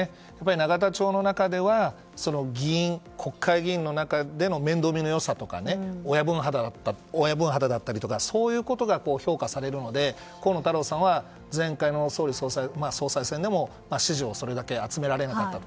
永田町の中では国会議員の中での面倒見の良さとか親分肌だったりとかそういうことが評価されるので河野太郎さんは前回の総裁選でも支持をそれだけ集められなかった。